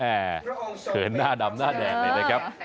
อ่ะเขินนหน้าดำหน้าแดงนะครับ